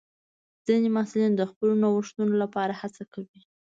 ځینې محصلین د خپلو نوښتونو لپاره هڅه کوي.